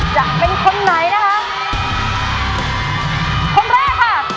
จะเป็นคนไหนนะคะ